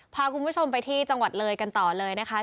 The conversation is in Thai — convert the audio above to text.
พาคุณผู้ชมไปที่จังหวัดเลยกันต่อเลยนะคะ